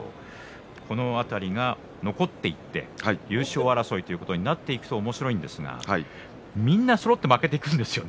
この辺りが残っていて優勝争いということになっていくとおもしろいんですがみんなそろって負けていくんですよね